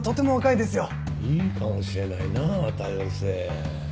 いいかもしれないなぁ多様性。